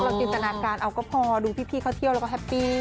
จินตนาการเอาก็พอดูพี่เขาเที่ยวแล้วก็แฮปปี้